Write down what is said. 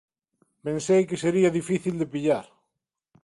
Pensei que sería difícil de pillar.